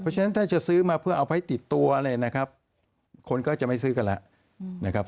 เพราะฉะนั้นถ้าจะซื้อมาเพื่อเอาไปติดตัวอะไรนะครับคนก็จะไม่ซื้อกันแล้วนะครับ